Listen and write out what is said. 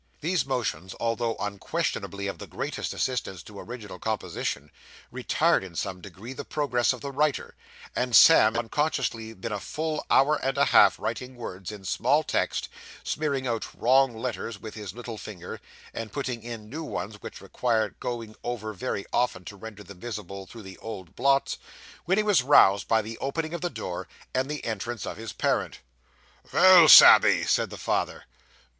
These motions, although unquestionably of the greatest assistance to original composition, retard in some degree the progress of the writer; and Sam had unconsciously been a full hour and a half writing words in small text, smearing out wrong letters with his little finger, and putting in new ones which required going over very often to render them visible through the old blots, when he was roused by the opening of the door and the entrance of his parent. 'Vell, Sammy,' said the father.